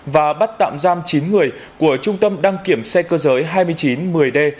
và bắt tạm giam chín người của trung tâm đăng kiểm xe cơ giới hai mươi chín một mươi d